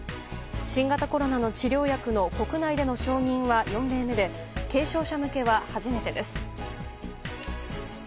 新型コロナの治療薬の国内での承認は４例目で軽症者向けは初めてです。